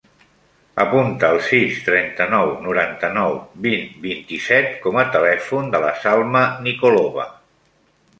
Apunta el sis, trenta-nou, noranta-nou, vint, vint-i-set com a telèfon de la Salma Nikolova.